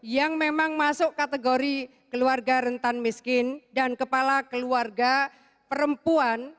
yang memang masuk kategori keluarga rentan miskin dan kepala keluarga perempuan